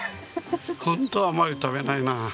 ホントはあまり食べないな。